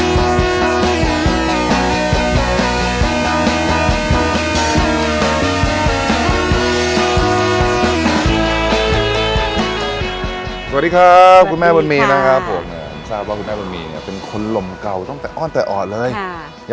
สวัสดีครับคุณแม่บุญมีนะครับผมทราบว่าคุณแม่บุญมีเนี่ยเป็นคนลมเก่าตั้งแต่อ้อนแต่อ่อนเลย